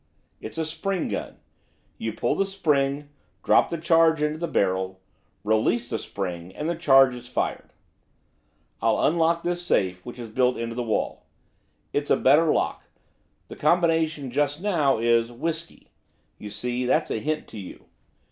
It's a spring gun; you pull the spring drop the charge into the barrel release the spring and the charge is fired. I'll unlock this safe, which is built into the wall. It's a letter lock, the combination just now, is "whisky," you see, that's a hint to you.